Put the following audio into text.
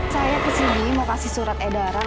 saya kesini mau kasih surat edaran